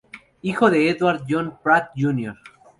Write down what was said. Hijo de Edward John Pratt Jr.